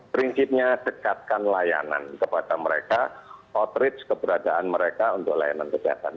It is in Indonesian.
prinsipnya dekatkan layanan kepada mereka outreach keberadaan mereka untuk layanan kesehatan